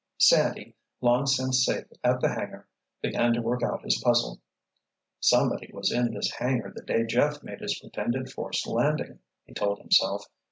Sandy, long since safe at the hangar, began to work out his puzzle. "Somebody was in this hangar the day Jeff made his pretended forced landing," he told himself.